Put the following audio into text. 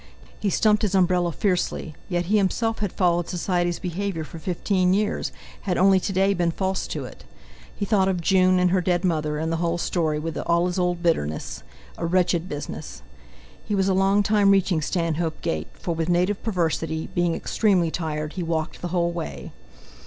He stumped his umbrella fiercely; yet he himself had followed Society's behaviour for fifteen years—had only today been false to it! He thought of June, and her dead mother, and the whole story, with all his old bitterness. A wretched business! He was a long time reaching Stanhope Gate, for, with native perversity, being extremely tired, he walked the whole way.